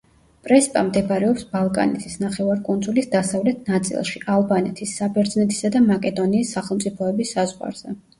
პრესპა მდებარეობს ბალკანეთის ნახევარკუნძულის დასავლეთ ნაწილში, ალბანეთის, საბერძნეთისა და მაკედონიის სახელმწიფოების საზღვარზე.